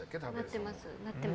なっています。